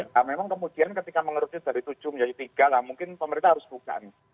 nah memang kemudian ketika mengeruknya dari tujuh menjadi tiga lah mungkin pemerintah harus buka nih